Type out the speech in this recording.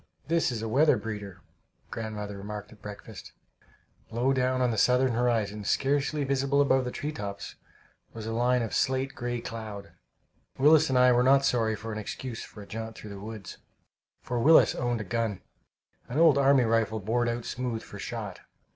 "This is a weather breeder," grandmother remarked at breakfast. Low down on the southern horizon, scarcely visible above the hilltops, was a line of slate gray cloud. Willis and I were not sorry of an excuse for a jaunt through the woods, for Willis owned a gun an old army rifle bored out smooth for shot.